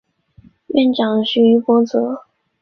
院长是于博泽。